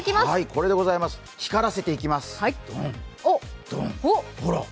これでございます、光らせていきます、ドン、ドン。